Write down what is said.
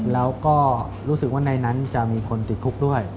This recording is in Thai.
แล้วก็รู้สึกว่าในนั้นจะมีคนติดคุกด้วย